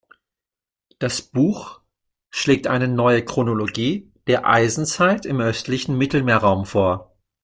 Das Buch schlägt eine neue Chronologie der Eisenzeit im östlichen Mittelmeerraum vor.